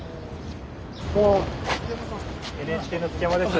・ＮＨＫの築山です。